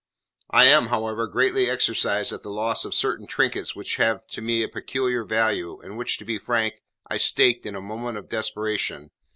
"I am, however, greatly exercised at the loss of certain trinkets which have to me a peculiar value, and which, to be frank, I staked in a moment of desperation.